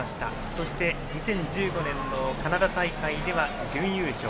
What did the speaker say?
そして、２０１５年のカナダ大会では準優勝。